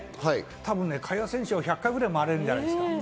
萱選手は１００回くらい回れるんじゃないんですか。